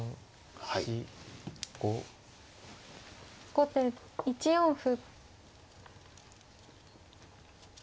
後手１四歩。